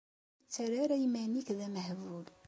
Ur ttarra ara iman-ik d amehbul.